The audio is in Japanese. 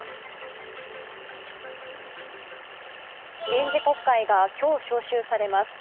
臨時国会が今日召集されます。